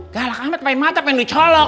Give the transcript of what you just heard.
galak amat pake mata pengen dicolok